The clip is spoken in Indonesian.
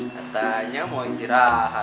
katanya mau istirahat